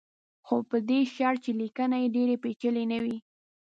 خو په دې شرط چې لیکنه یې ډېره پېچلې نه وي.